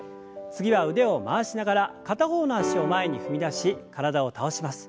次は腕を回しながら片方の脚を前に踏み出し体を倒します。